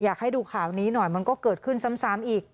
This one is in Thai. อยากให้ดูข่าวนี้หน่อยมันก็เกิดขึ้นซ้ำอีก